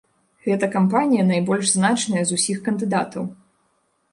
Гэта кампанія найбольш значная з усіх кандыдатаў.